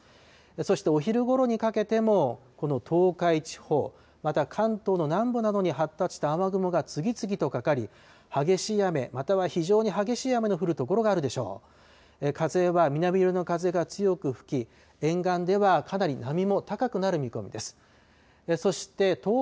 そしてお昼ごろにかけてもこの東海地方、また関東の南部などに発達した雨雲が次々とかかり、激しい雨、または非常に激しい雨の降る所があるでしょう。